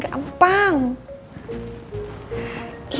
kayak imbangnya si andri